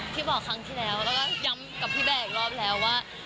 พี่บอกครั้งที่แล้วและเดิมกับพี่แบงค์อีกรอบแล้ว